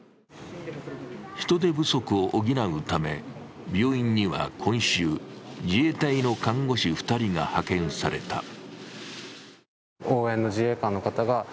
人手不足を補うため、病院には今週自衛隊の看護師２人が派遣された。